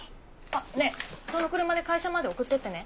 その車で会社まで送ってってね。